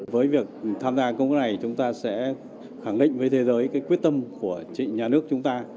với việc tham gia công ước này chúng ta sẽ khẳng định với thế giới quyết tâm của nhà nước chúng ta